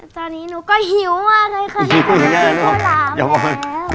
ตอนนี้หนูก็หิวมากเลยขนาดนี้ก็หลามแล้ว